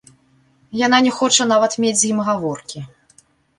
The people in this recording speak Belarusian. Яна не хоча нават мець з ім гаворкі.